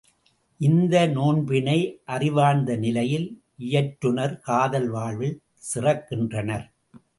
இந்த நோன்பினை அறிவார்ந்த நிலையில் இயற்றுநர் காதல் வாழ்வில் சிறக்கின்றனர்.